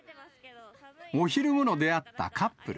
お昼ごろ出会ったカップル。